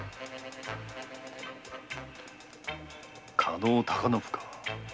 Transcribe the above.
狩野高信か。